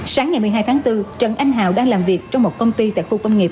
sáng ngày một mươi hai tháng bốn trần anh hào đang làm việc trong một công ty tại khu công nghiệp